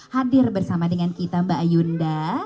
hadir bersama dengan kita mbak ayunda